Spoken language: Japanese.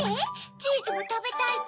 チーズもたべたいって？